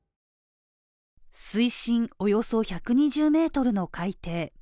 水深およそ１２０ｍの海底。